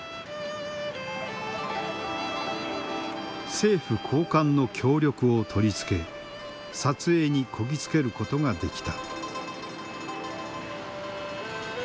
政府高官の協力を取り付け撮影にこぎ着けることができた。